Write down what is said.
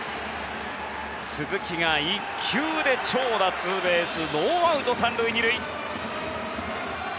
鈴木が１球で長打、ツーベースノーアウト３塁２塁。